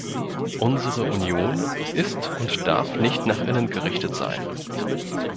Unsere Union ist und darf nicht nach innen gerichtet sein.